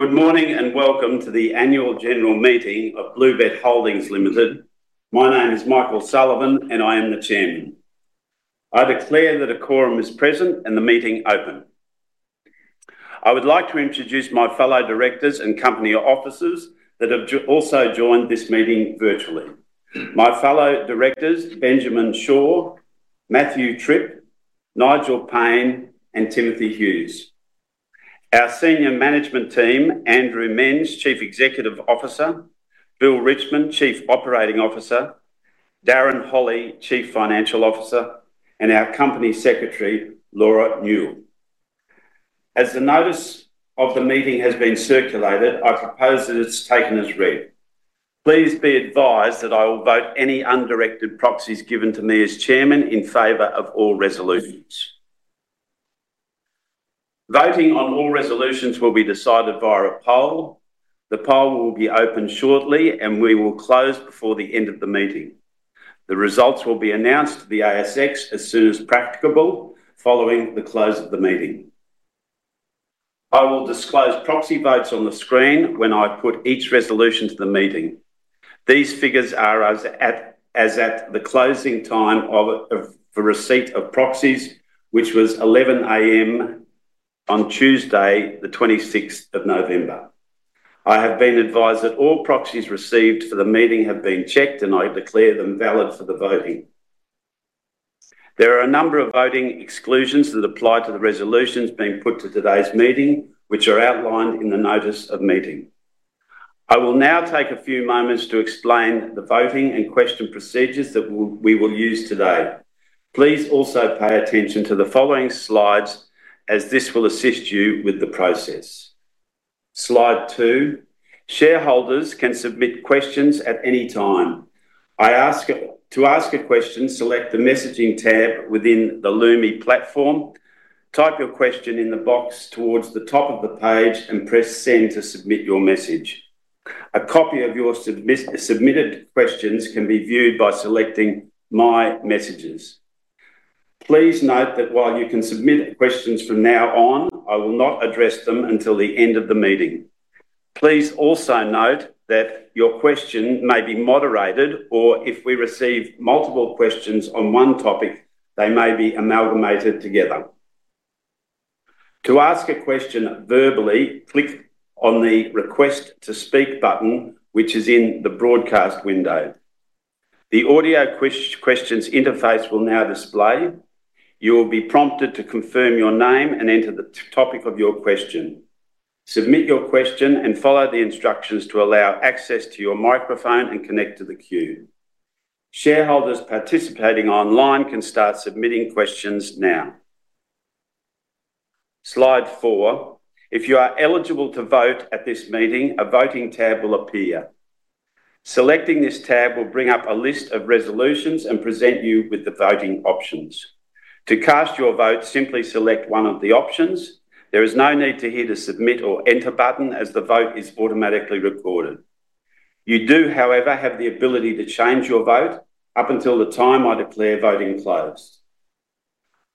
Good morning and welcome to the annual general meeting of BlueBet Holdings Limited. My name is Michael Sullivan, and I am the chairman. I declare that a quorum is present and the meeting open. I would like to introduce my fellow directors and company officers that have also joined this meeting virtually. My fellow directors: Benjamin Shaw, Matthew Tripp, Nigel Payne, and Timothy Hughes. Our senior management team: Andrew Menz, Chief Executive Officer; Bill Richmond, Chief Operating Officer; Darren Holley, Chief Financial Officer; and our company secretary, Laura Newell. As the notice of the meeting has been circulated, I propose that it's taken as read. Please be advised that I will vote any undirected proxies given to me as chairman in favor of all resolutions. Voting on all resolutions will be decided via a poll. The poll will be open shortly, and we will close before the end of the meeting. The results will be announced to the ASX as soon as practicable, following the close of the meeting. I will disclose proxy votes on the screen when I put each resolution to the meeting. These figures are as at the closing time of the receipt of proxies, which was 11:00 A.M. on Tuesday, the 26th of November. I have been advised that all proxies received for the meeting have been checked, and I declare them valid for the voting. There are a number of voting exclusions that apply to the resolutions being put to today's meeting, which are outlined in the Notice of Meeting. I will now take a few moments to explain the voting and question procedures that we will use today. Please also pay attention to the following slides, as this will assist you with the process. Slide two: Shareholders can submit questions at any time. To ask a question, select the messaging tab within the Lumi platform, type your question in the box towards the top of the page, and press Send to submit your message. A copy of your submitted questions can be viewed by selecting My Messages. Please note that while you can submit questions from now on, I will not address them until the end of the meeting. Please also note that your question may be moderated, or if we receive multiple questions on one topic, they may be amalgamated together. To ask a question verbally, click on the Request to Speak button, which is in the broadcast window. The audio questions interface will now display. You will be prompted to confirm your name and enter the topic of your question. Submit your question and follow the instructions to allow access to your microphone and connect to the queue. Shareholders participating online can start submitting questions now. Slide four: If you are eligible to vote at this meeting, a voting tab will appear. Selecting this tab will bring up a list of resolutions and present you with the voting options. To cast your vote, simply select one of the options. There is no need to hit a Submit or Enter button, as the vote is automatically recorded. You do, however, have the ability to change your vote up until the time I declare voting closed.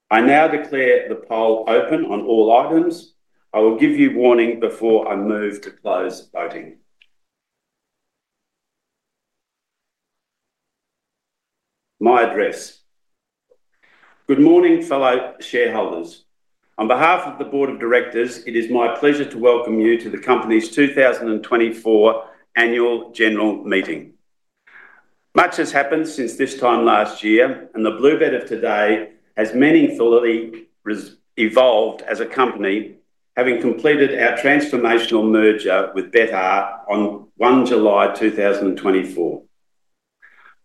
I now declare the poll open on all items. I will give you warning before I move to close voting. My address: Good morning, fellow shareholders. On behalf of the board of directors, it is my pleasure to welcome you to the company's 2024 annual general meeting. Much has happened since this time last year, and the BlueBet of today has meaningfully evolved as a company, having completed our transformational merger with betr on 1 July 2024.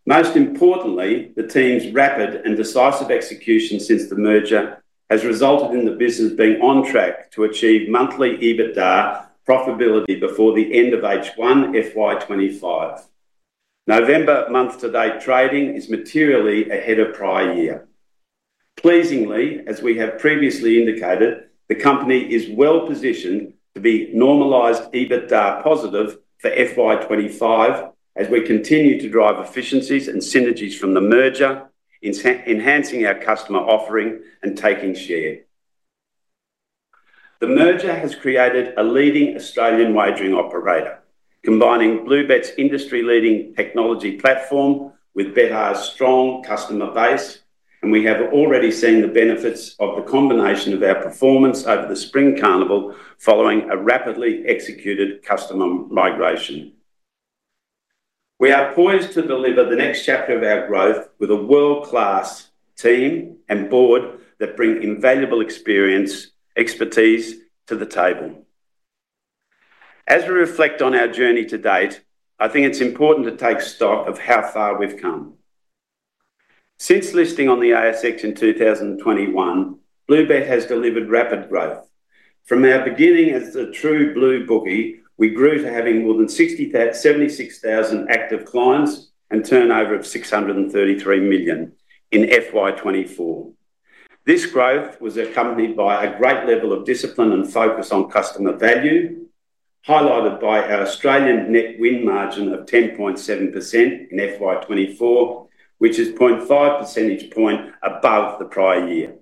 Most importantly, the team's rapid and decisive execution since the merger has resulted in the business being on track to achieve monthly EBITDA profitability before the end of H1 FY 2025. November month-to-date trading is materially ahead of prior year. Pleasingly, as we have previously indicated, the company is well positioned to be normalized EBITDA positive for FY 2025 as we continue to drive efficiencies and synergies from the merger, enhancing our customer offering and taking share. The merger has created a leading Australian wagering operator, combining BlueBet's industry-leading technology platform with betr's strong customer base, and we have already seen the benefits of the combination of our performance over the Spring Carnival following a rapidly executed customer migration. We are poised to deliver the next chapter of our growth with a world-class team and board that bring invaluable experience and expertise to the table. As we reflect on our journey to date, I think it's important to take stock of how far we've come. Since listing on the ASX in 2021, BlueBet has delivered rapid growth. From our beginning as a true blue bookie, we grew to having more than 76,000 active clients and a turnover of 633 million in FY 2024. This growth was accompanied by a great level of discipline and focus on customer value, highlighted by our Australian net win margin of 10.7% in FY 2024, which is a 0.5 percentage point above the prior year.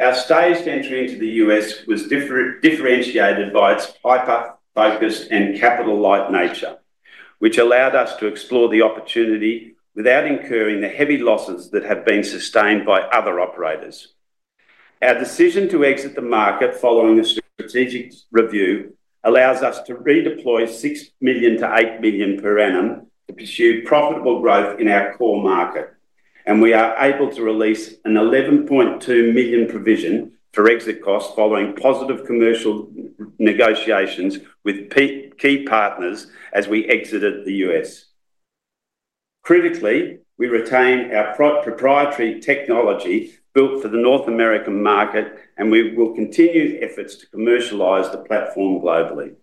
Our staged entry into the U.S. was differentiated by its hyper-focused and capital-light nature, which allowed us to explore the opportunity without incurring the heavy losses that have been sustained by other operators. Our decision to exit the market following a strategic review allows us to redeploy 6 million-8 million per annum to pursue profitable growth in our core market, and we are able to release an 11.2 million provision for exit costs following positive commercial negotiations with key partners as we exited the U.S. Critically, we retain our proprietary technology built for the North American market, and we will continue efforts to commercialize the platform globally.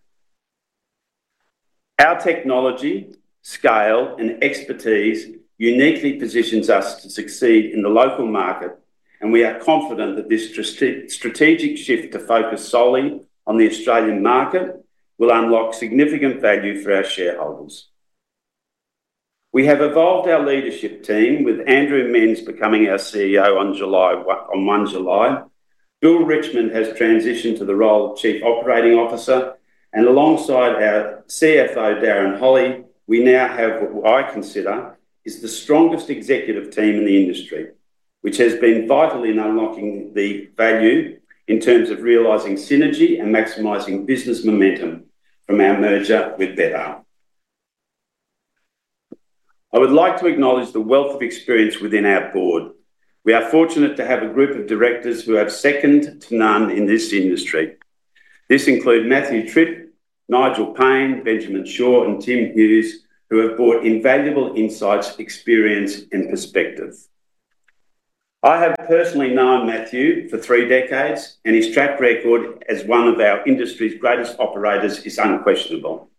Our technology, scale, and expertise uniquely positions us to succeed in the local market, and we are confident that this strategic shift to focus solely on the Australian market will unlock significant value for our shareholders. We have evolved our leadership team, with Andrew Menz becoming our CEO on 1 July. Bill Richmond has transitioned to the role of Chief Operating Officer, and alongside our CFO, Darren Holley, we now have what I consider is the strongest executive team in the industry, which has been vital in unlocking the value in terms of realizing synergy and maximizing business momentum from our merger with betr. I would like to acknowledge the wealth of experience within our board. We are fortunate to have a group of directors who have second to none in this industry. This includes Matthew Tripp, Nigel Payne, Benjamin Shaw, and Tim Hughes, who have brought invaluable insights, experience, and perspective. I have personally known Matthew for three decades, and his track record as one of our industry's greatest operators is unquestionable.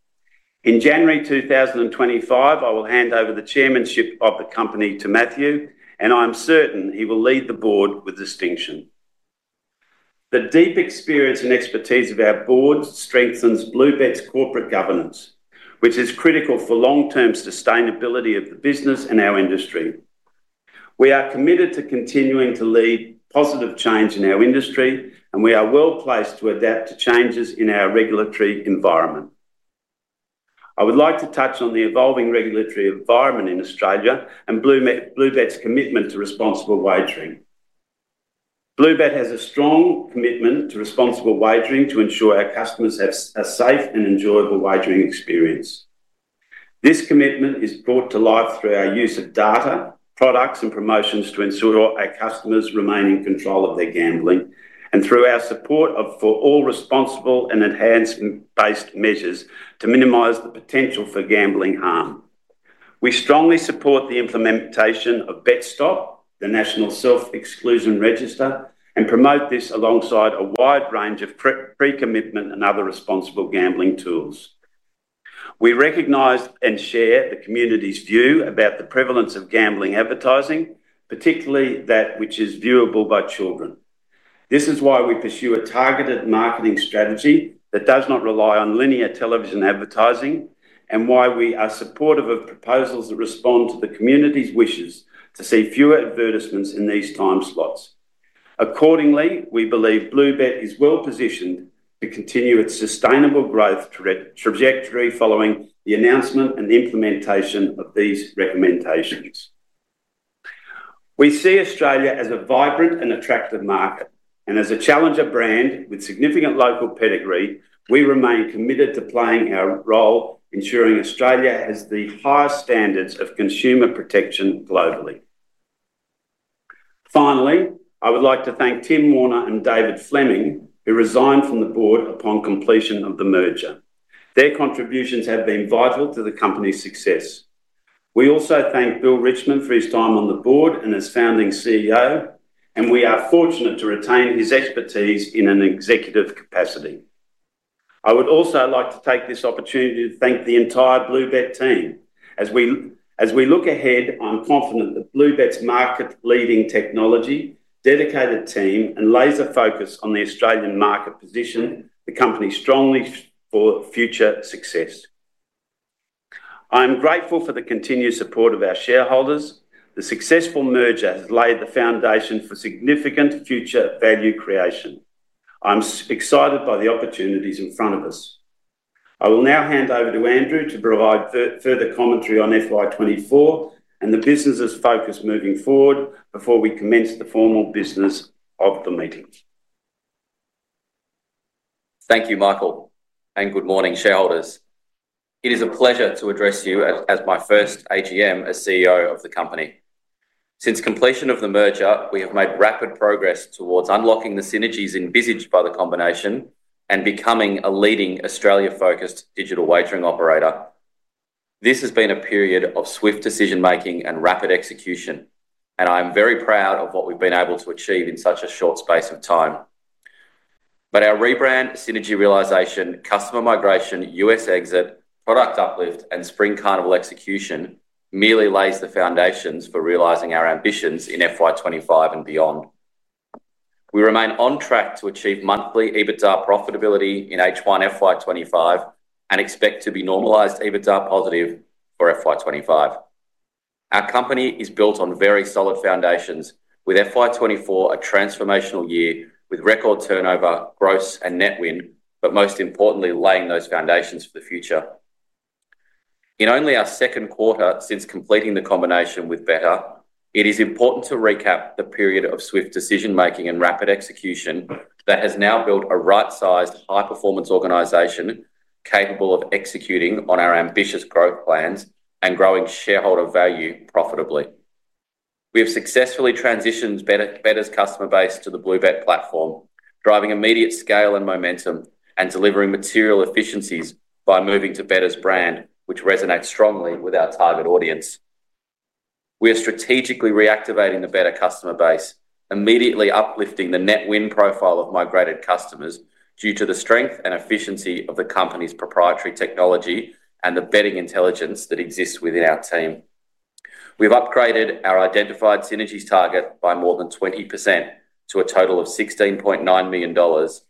In January 2025, I will hand over the chairmanship of the company to Matthew, and I am certain he will lead the board with distinction. The deep experience and expertise of our board strengthens BlueBet's corporate governance, which is critical for long-term sustainability of the business and our industry. We are committed to continuing to lead positive change in our industry, and we are well placed to adapt to changes in our regulatory environment. I would like to touch on the evolving regulatory environment in Australia and BlueBet's commitment to responsible wagering. BlueBet has a strong commitment to responsible wagering to ensure our customers have a safe and enjoyable wagering experience. This commitment is brought to life through our use of data, products, and promotions to ensure our customers remain in control of their gambling, and through our support for all responsible and advancement-based measures to minimize the potential for gambling harm. We strongly support the implementation of BetStop, the National Self-Exclusion Register, and promote this alongside a wide range of pre-commitment and other responsible gambling tools. We recognize and share the community's view about the prevalence of gambling advertising, particularly that which is viewable by children. This is why we pursue a targeted marketing strategy that does not rely on linear television advertising, and why we are supportive of proposals that respond to the community's wishes to see fewer advertisements in these time slots. Accordingly, we believe BlueBet is well positioned to continue its sustainable growth trajectory following the announcement and implementation of these recommendations. We see Australia as a vibrant and attractive market, and as a challenger brand with significant local pedigree, we remain committed to playing our role, ensuring Australia has the highest standards of consumer protection globally. Finally, I would like to thank Tim Warner and David Fleming, who resigned from the board upon completion of the merger. Their contributions have been vital to the company's success. We also thank Bill Richmond for his time on the board and as founding CEO, and we are fortunate to retain his expertise in an executive capacity. I would also like to take this opportunity to thank the entire BlueBet team. As we look ahead, I'm confident that BlueBet's market-leading technology, dedicated team, and laser focus on the Australian market position the company strongly supports for future success. I am grateful for the continued support of our shareholders. The successful merger has laid the foundation for significant future value creation. I'm excited by the opportunities in front of us. I will now hand over to Andrew to provide further commentary on FY 2024 and the business's focus moving forward before we commence the formal business of the meeting. Thank you, Michael, and good morning, shareholders. It is a pleasure to address you as my first AGM as CEO of the company. Since completion of the merger, we have made rapid progress towards unlocking the synergies envisaged by the combination and becoming a leading Australia-focused digital wagering operator. This has been a period of swift decision-making and rapid execution, and I am very proud of what we've been able to achieve in such a short space of time, but our rebrand, synergy realization, customer migration, U.S. exit, product uplift, and Spring Carnival execution merely lays the foundations for realizing our ambitions in FY 2025 and beyond. We remain on track to achieve monthly EBITDA profitability in H1 FY 2025 and expect to be normalized EBITDA positive for FY 2025. Our company is built on very solid foundations, with FY 2024 a transformational year with record turnover, gross, and net win, but most importantly, laying those foundations for the future. In only our second quarter since completing the combination with betr, it is important to recap the period of swift decision-making and rapid execution that has now built a right-sized, high-performance organization capable of executing on our ambitious growth plans and growing shareholder value profitably. We have successfully transitioned betr's customer base to the BlueBet platform, driving immediate scale and momentum and delivering material efficiencies by moving to betr's brand, which resonates strongly with our target audience. We are strategically reactivating the betr customer base, immediately uplifting the net win profile of migrated customers due to the strength and efficiency of the company's proprietary technology and the betting intelligence that exists within our team. We have upgraded our identified synergies target by more than 20% to a total of 16.9 million dollars,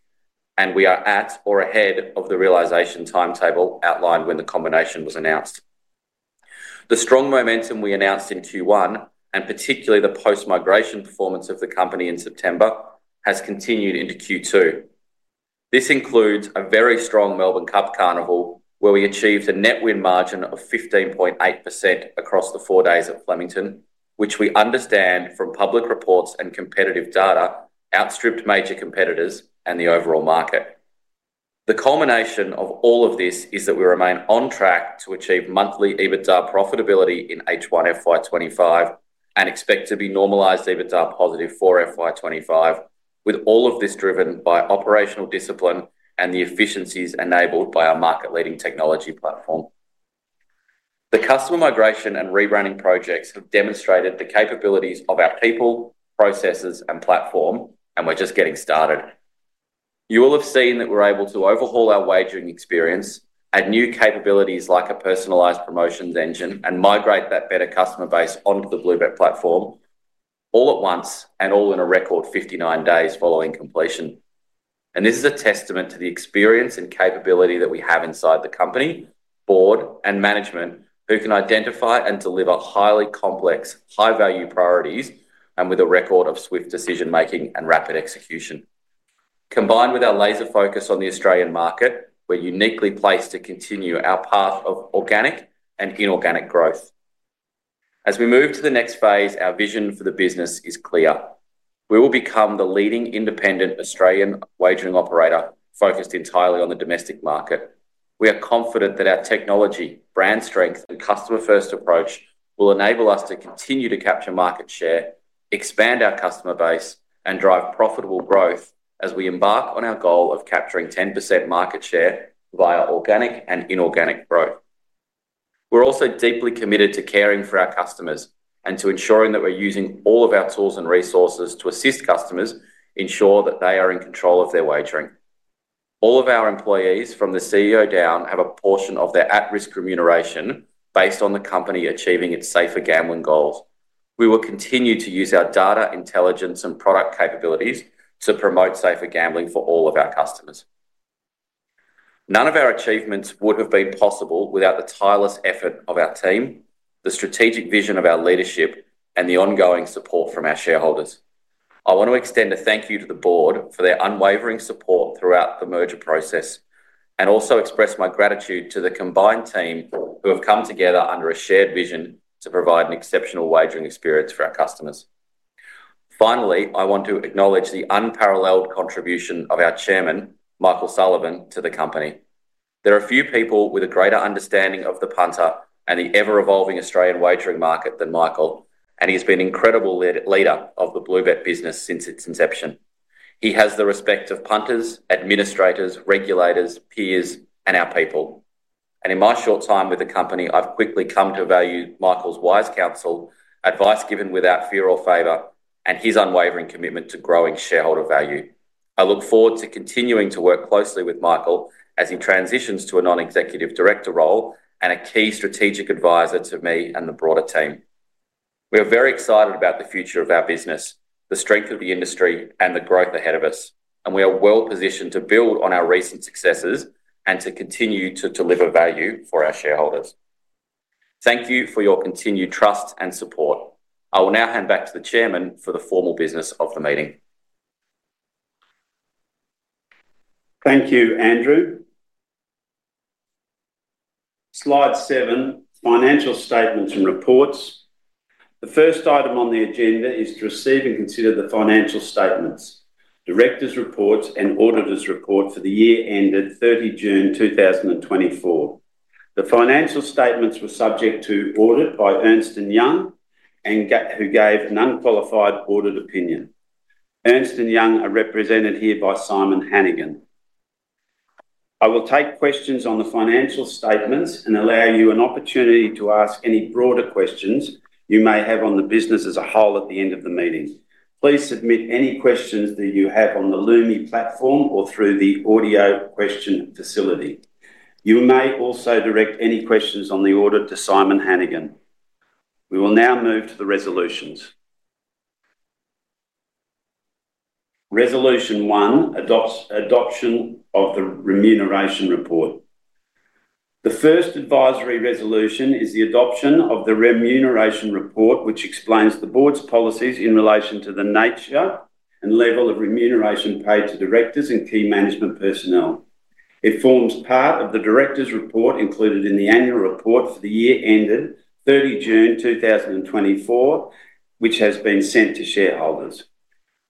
and we are at or ahead of the realization timetable outlined when the combination was announced. The strong momentum we announced in Q1, and particularly the post-migration performance of the company in September, has continued into Q2. This includes a very strong Melbourne Cup Carnival, where we achieved a net win margin of 15.8% across the four days at Flemington, which we understand from public reports and competitive data outstripped major competitors and the overall market. The culmination of all of this is that we remain on track to achieve monthly EBITDA profitability in H1 FY 2025 and expect to be normalized EBITDA positive for FY 2025, with all of this driven by operational discipline and the efficiencies enabled by our market-leading technology platform. The customer migration and rebranding projects have demonstrated the capabilities of our people, processes, and platform, and we're just getting started. You will have seen that we're able to overhaul our wagering experience, add new capabilities like a personalized promotions engine, and migrate that betr customer base onto the BlueBet platform all at once and all in a record 59 days following completion. And this is a testament to the experience and capability that we have inside the company, board, and management, who can identify and deliver highly complex, high-value priorities and with a record of swift decision-making and rapid execution. Combined with our laser focus on the Australian market, we're uniquely placed to continue our path of organic and inorganic growth. As we move to the next phase, our vision for the business is clear. We will become the leading independent Australian wagering operator focused entirely on the domestic market. We are confident that our technology, brand strength, and customer-first approach will enable us to continue to capture market share, expand our customer base, and drive profitable growth as we embark on our goal of capturing 10% market share via organic and inorganic growth. We're also deeply committed to caring for our customers and to ensuring that we're using all of our tools and resources to assist customers ensure that they are in control of their wagering. All of our employees, from the CEO down, have a portion of their at-risk remuneration based on the company achieving its safer gambling goals. We will continue to use our data, intelligence, and product capabilities to promote safer gambling for all of our customers. None of our achievements would have been possible without the tireless effort of our team, the strategic vision of our leadership, and the ongoing support from our shareholders. I want to extend a thank you to the board for their unwavering support throughout the merger process, and also express my gratitude to the combined team who have come together under a shared vision to provide an exceptional wagering experience for our customers. Finally, I want to acknowledge the unparalleled contribution of our chairman, Michael Sullivan, to the company. There are few people with a greater understanding of the punter and the ever-evolving Australian wagering market than Michael, and he has been an incredible leader of the BlueBet business since its inception. He has the respect of punters, administrators, regulators, peers, and our people, and in my short time with the company, I've quickly come to value Michael's wise counsel, advice given without fear or favor, and his unwavering commitment to growing shareholder value. I look forward to continuing to work closely with Michael as he transitions to a non-executive director role and a key strategic advisor to me and the broader team. We are very excited about the future of our business, the strength of the industry, and the growth ahead of us, and we are well positioned to build on our recent successes and to continue to deliver value for our shareholders. Thank you for your continued trust and support. I will now hand back to the Chairman for the formal business of the meeting. Thank you, Andrew. Slide seven, financial statements and reports. The first item on the agenda is to receive and consider the financial statements, Directors' Reports, and Auditor's Report for the year ended 30th June 2024. The financial statements were subject to audit by Ernst & Young, who gave an unqualified audit opinion. Ernst & Young are represented here by Simon Hannigan. I will take questions on the financial statements and allow you an opportunity to ask any broader questions you may have on the business as a whole at the end of the meeting. Please submit any questions that you have on the Lumi platform or through the audio question facility. You may also direct any questions on the audit to Simon Hannigan. We will now move to the resolutions. Resolution one, adoption of the Remuneration Report. The first advisory resolution is the adoption of the Remuneration Report, which explains the board's policies in relation to the nature and level of remuneration paid to directors and key management personnel. It forms part of the directors' report included in the Annual Report for the year ended 30th June 2024, which has been sent to shareholders.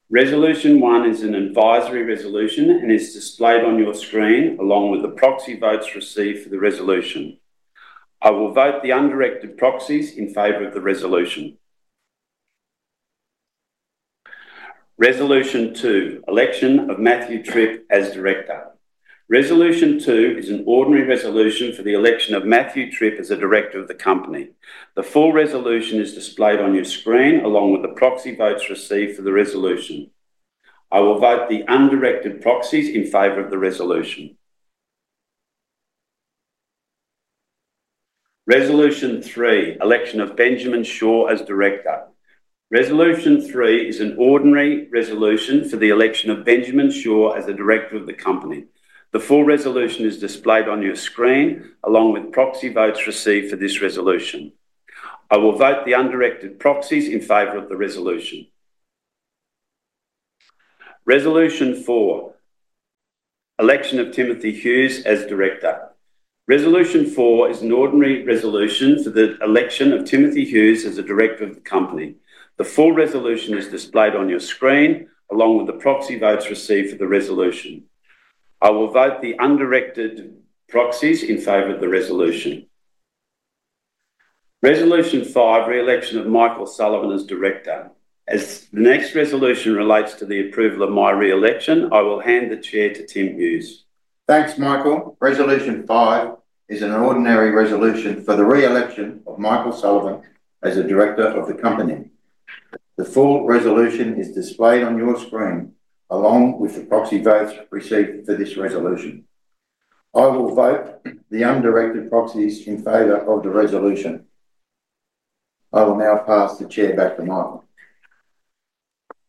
Resolution one is an advisory resolution and is displayed on your screen along with the proxy votes received for the resolution. I will vote the undirected proxies in favor of the resolution. Resolution two, election of Matthew Tripp as director. Resolution two is an ordinary resolution for the election of Matthew Tripp as a director of the company. The full resolution is displayed on your screen along with the proxy votes received for the resolution. I will vote the undirected proxies in favor of the resolution. Resolution three, election of Benjamin Shaw as director. Resolution three is an ordinary resolution for the election of Benjamin Shaw as a director of the company. The full resolution is displayed on your screen along with proxy votes received for this resolution. I will vote the undirected proxies in favor of the resolution. Resolution four, election of Timothy Hughes as director. Resolution four is an ordinary resolution for the election of Timothy Hughes as a director of the company. The full resolution is displayed on your screen along with the proxy votes received for the resolution. I will vote the undirected proxies in favor of the resolution. Resolution five, reelection of Michael Sullivan as director. As the next resolution relates to the approval of my reelection, I will hand the chair to Tim Hughes. Thanks, Michael. Resolution five is an ordinary resolution for the reelection of Michael Sullivan as a director of the company. The full resolution is displayed on your screen along with the proxy votes received for this resolution. I will vote the undirected proxies in favor of the resolution. I will now pass the chair back to Michael.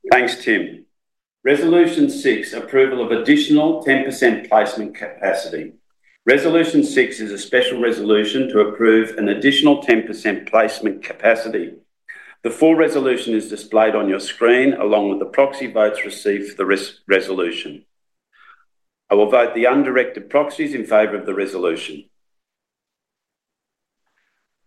Thanks, Tim. Resolution six, approval of additional 10% placement capacity. Resolution six is a special resolution to approve an additional 10% placement capacity. The full resolution is displayed on your screen along with the proxy votes received for the resolution. I will vote the undirected proxies in favor of the resolution.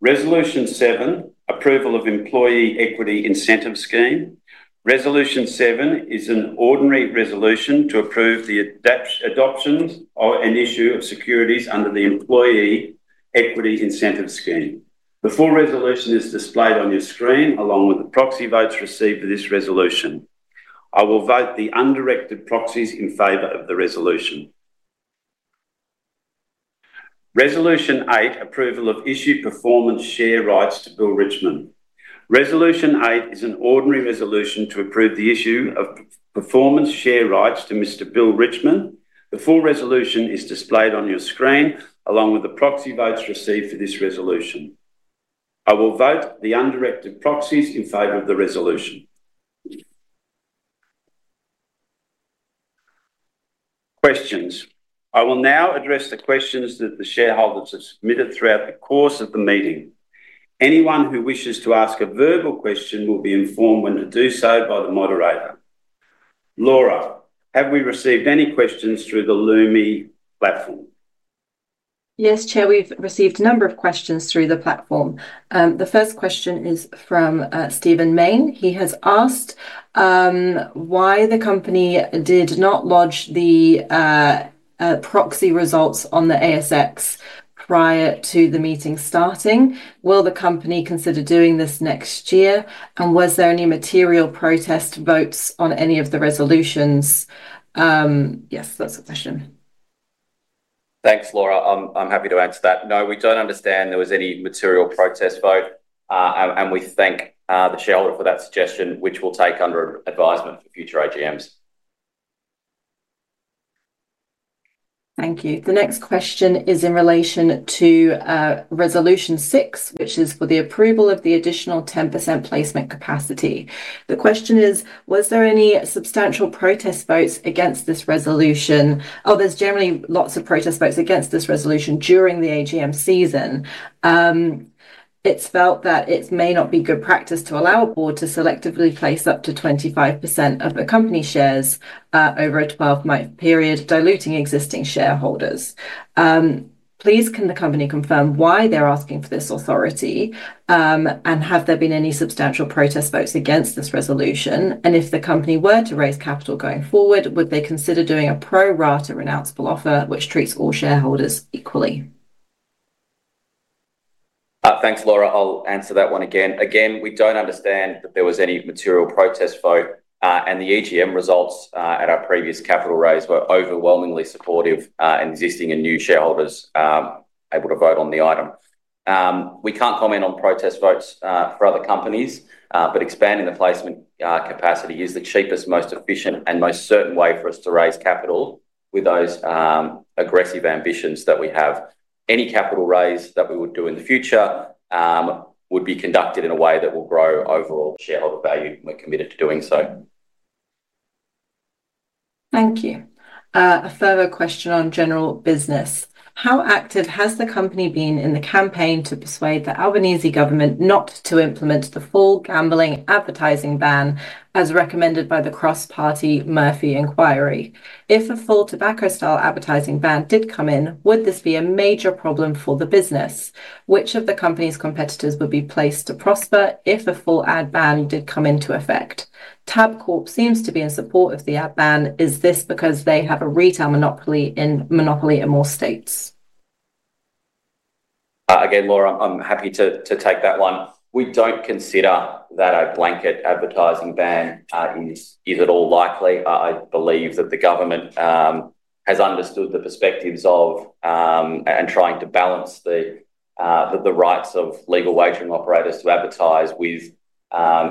Resolution seven, approval of employee equity incentive scheme. Resolution seven is an ordinary resolution to approve the adoption of an issue of securities under the employee equity incentive scheme. The full resolution is displayed on your screen along with the proxy votes received for this resolution. I will vote the undirected proxies in favor of the resolution. Resolution eight, approval of issue of performance share rights to Bill Richmond. Resolution eight is an ordinary resolution to approve the issue of performance share rights to Mr. Bill Richmond. The full resolution is displayed on your screen along with the proxy votes received for this resolution. I will vote the undirected proxies in favor of the resolution. Questions. I will now address the questions that the shareholders have submitted throughout the course of the meeting. Anyone who wishes to ask a verbal question will be informed when to do so by the moderator. Laura, have we received any questions through the Lumi platform? Yes, Chair, we've received a number of questions through the platform. The first question is from Stephen Mayne. He has asked why the company did not lodge the proxy results on the ASX prior to the meeting starting. Will the company consider doing this next year? And was there any material protest votes on any of the resolutions? Yes, that's the question. Thanks, Laura. I'm happy to answer that. No, we don't understand there was any material protest vote, and we thank the shareholder for that suggestion, which will take under advisement for future AGMs. Thank you. The next question is in relation to Resolution six, which is for the approval of the additional 10% placement capacity. The question is, was there any substantial protest votes against this resolution? Oh, there's generally lots of protest votes against this resolution during the AGM season. It's felt that it may not be good practice to allow a board to selectively place up to 25% of the company shares over a 12-month period, diluting existing shareholders. Please, can the company confirm why they're asking for this authority, and have there been any substantial protest votes against this resolution? And if the company were to raise capital going forward, would they consider doing a pro-rata renounceable offer, which treats all shareholders equally? Thanks, Laura. I'll answer that one again. Again, we don't understand that there was any material protest vote, and the AGM results at our previous capital raise were overwhelmingly supportive and existing and new shareholders able to vote on the item. We can't comment on protest votes for other companies, but expanding the placement capacity is the cheapest, most efficient, and most certain way for us to raise capital with those aggressive ambitions that we have. Any capital raise that we would do in the future would be conducted in a way that will grow overall shareholder value, and we're committed to doing so. Thank you. A further question on general business. How active has the company been in the campaign to persuade the Albanese Government not to implement the full gambling advertising ban as recommended by the cross-party Murphy Inquiry? If a full tobacco style advertising ban did come in, would this be a major problem for the business? Which of the company's competitors would be placed to prosper if a full ad ban did come into effect? Tabcorp seems to be in support of the ad ban. Is this because they have a retail monopoly in more states? Again, Laura, I'm happy to take that one. We don't consider that a blanket advertising ban is at all likely. I believe that the government has understood the perspectives of and trying to balance the rights of legal wagering operators to advertise with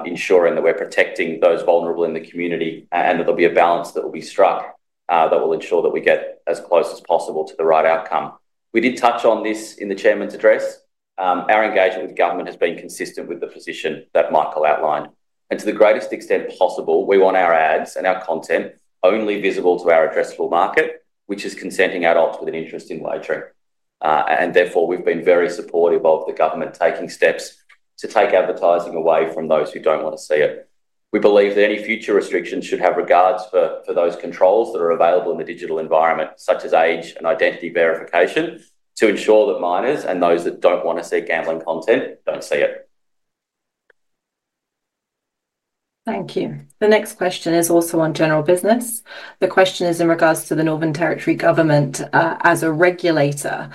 ensuring that we're protecting those vulnerable in the community and that there'll be a balance that will be struck that will ensure that we get as close as possible to the right outcome. We did touch on this in the chairman's address. Our engagement with the government has been consistent with the position that Michael outlined. And to the greatest extent possible, we want our ads and our content only visible to our addressable market, which is consenting adults with an interest in wagering. And therefore, we've been very supportive of the government taking steps to take advertising away from those who don't want to see it. We believe that any future restrictions should have regards for those controls that are available in the digital environment, such as age and identity verification, to ensure that minors and those that don't want to see gambling content don't see it. Thank you. The next question is also on general business. The question is in regards to the Northern Territory Government as a regulator.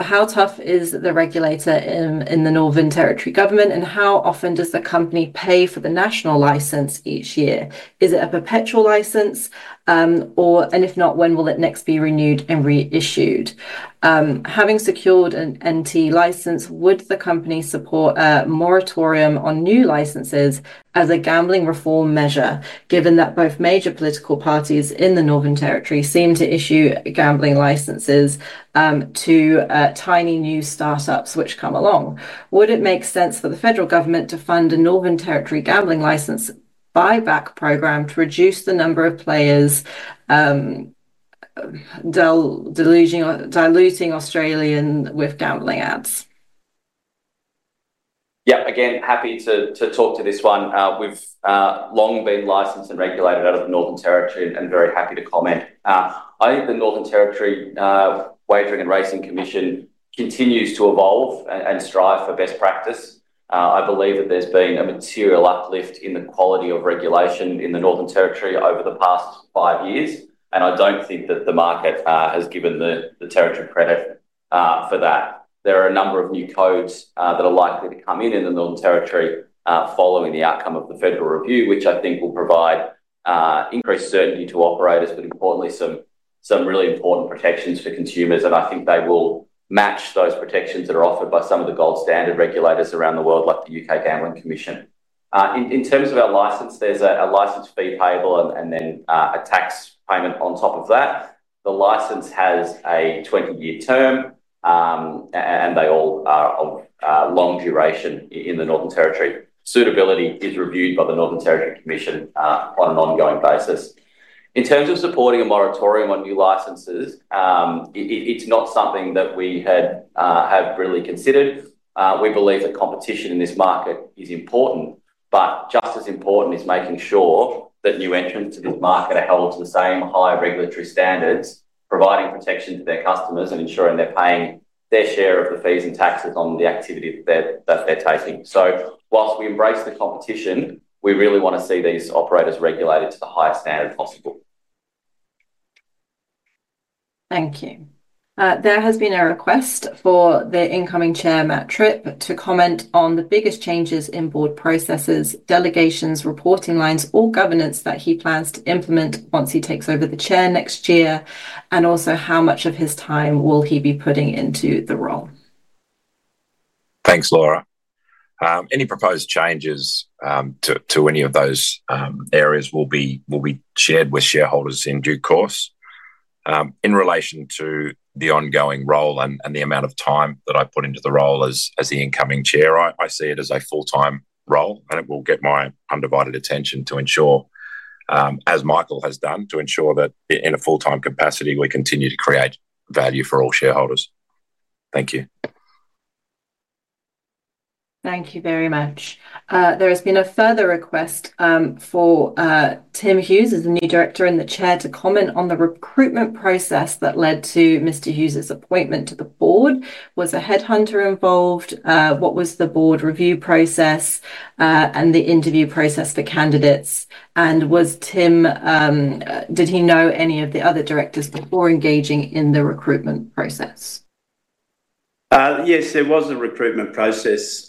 How tough is the regulator in the Northern Territory government, and how often does the company pay for the national license each year? Is it a perpetual license, and if not, when will it next be renewed and reissued? Having secured an NT license, would the company support a moratorium on new licenses as a gambling reform measure, given that both major political parties in the Northern Territory seem to issue gambling licenses to tiny new startups which come along? Would it make sense for the federal government to fund a Northern Territory gambling license buyback program to reduce the number of players diluting Australia with gambling ads? Yep, again, happy to talk to this one. We've long been licensed and regulated out of the Northern Territory and very happy to comment. I think the Northern Territory Racing Commission continues to evolve and strive for best practice. I believe that there's been a material uplift in the quality of regulation in the Northern Territory over the past five years, and I don't think that the market has given the territory credit for that. There are a number of new codes that are likely to come in in the Northern Territory following the outcome of the federal review, which I think will provide increased certainty to operators, but importantly, some really important protections for consumers, and I think they will match those protections that are offered by some of the gold standard regulators around the world, like the U.K. Gambling Commission. In terms of our license, there's a license fee payable and then a tax payment on top of that. The license has a 20-year term, and they all are of long duration in the Northern Territory. Suitability is reviewed by the Northern Territory Racing Commission on an ongoing basis. In terms of supporting a moratorium on new licenses, it's not something that we have really considered. We believe that competition in this market is important, but just as important is making sure that new entrants to this market are held to the same high regulatory standards, providing protection to their customers and ensuring they're paying their share of the fees and taxes on the activity that they're taking. So while we embrace the competition, we really want to see these operators regulated to the highest standard possible. Thank you. There has been a request for the incoming chair, Matt Tripp, to comment on the biggest changes in board processes, delegations, reporting lines, all governance that he plans to implement once he takes over the chair next year, and also how much of his time will he be putting into the role. Thanks, Laura. Any proposed changes to any of those areas will be shared with shareholders in due course. In relation to the ongoing role and the amount of time that I put into the role as the incoming chair, I see it as a full-time role, and it will get my undivided attention to ensure, as Michael has done, to ensure that in a full-time capacity, we continue to create value for all shareholders. Thank you. Thank you very much. There has been a further request for Tim Hughes as the new director and the chair to comment on the recruitment process that led to Mr. Hughes' appointment to the board. Was a headhunter involved? What was the board review process and the interview process for candidates? And did he know any of the other directors before engaging in the recruitment process? Yes, there was a recruitment process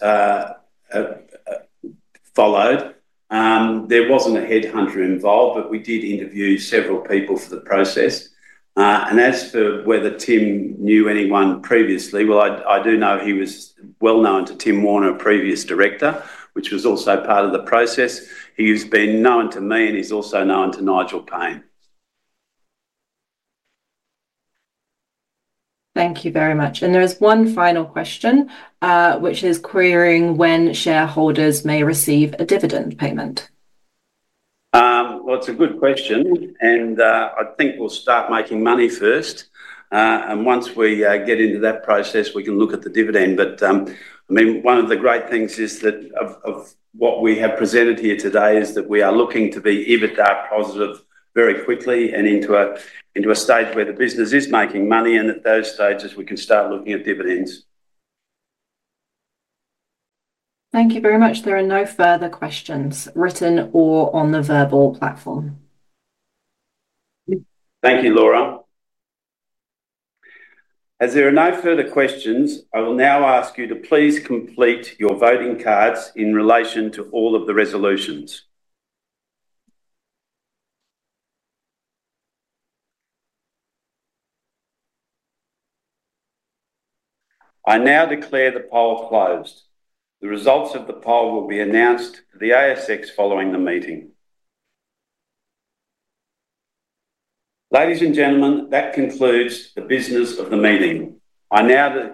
followed. There wasn't a headhunter involved, but we did interview several people for the process. And as for whether Tim knew anyone previously, well, I do know he was well known to Tim Warner, a previous director, which was also part of the process. He has been known to me, and he's also known to Nigel Payne. Thank you very much. And there is one final question, which is querying when shareholders may receive a dividend payment. Well, it's a good question, and I think we'll start making money first. And once we get into that process, we can look at the dividend. But I mean, one of the great things is that of what we have presented here today is that we are looking to be EBITDA positive very quickly and into a stage where the business is making money, and at those stages, we can start looking at dividends. Thank you very much. There are no further questions written or on the verbal platform. Thank you, Laura. As there are no further questions, I will now ask you to please complete your voting cards in relation to all of the resolutions. I now declare the poll closed. The results of the poll will be announced to the ASX following the meeting. Ladies and gentlemen, that concludes the business of the meeting. I now.